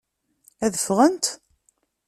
Ad ffɣent?